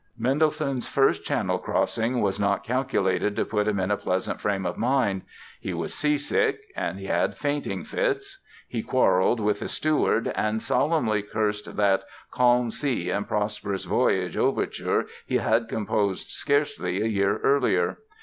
Mendelssohn's first Channel crossing was not calculated to put him in a pleasant frame of mind. He was seasick, he had fainting fits, he quarrelled with the steward and solemnly cursed that "Calm Sea and Prosperous Voyage" Overture he had composed scarcely a year earlier.